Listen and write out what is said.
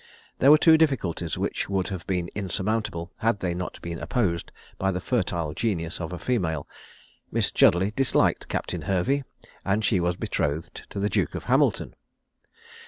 There were two difficulties which would have been insurmountable, had they not been opposed by the fertile genius of a female Miss Chudleigh disliked Captain Hervey, and she was betrothed to the Duke of Hamilton.